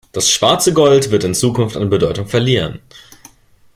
Das schwarze Gold wird in Zukunft an Bedeutung verlieren.